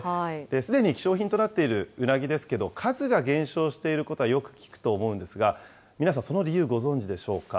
すでに希少品となっているうなぎですけど、数が減少していることはよく聞くと思うんですが、皆さん、その理由、ご存じでしょうか。